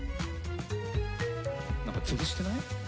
何か潰してない？